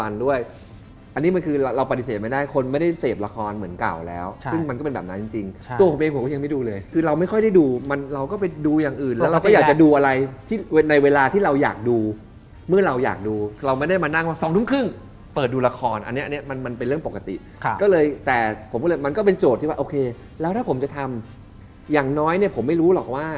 ละครสองเรื่องที่ผมเล่นอะก็คือชิงในฐานะพระเอกนำทั้งคู่